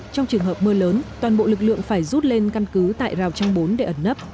trong trường hợp mưa lớn toàn bộ lực lượng phải rút lên căn cứ tại rào trăng bốn để ẩn nấp